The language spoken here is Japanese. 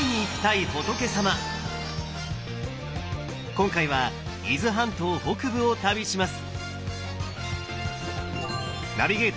今回は伊豆半島北部を旅します！